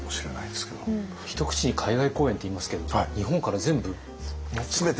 一口に海外公演って言いますけれども日本から全部持って。